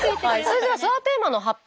それではツアーテーマの発表